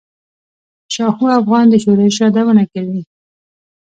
شاهو افغان د شورش یادونه کوي.